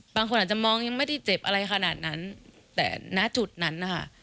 บางคนอาจจะมองยังไม่ได้เจ็บอะไรขนาดนั้นแต่ณจุดนั้นนะคะ